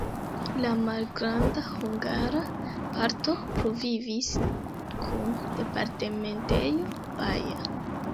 La malgranda hungara parto pluvivis kun departementejo Baja.